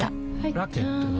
ラケットは？